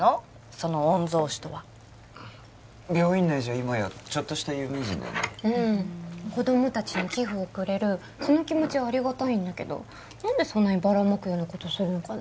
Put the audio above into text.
その御曹司病院内じゃ今やちょっとした有名人だよねうん子供達に寄付をくれるその気持ちはありがたいんだけど何でそんなにばらまくようなことするのかな？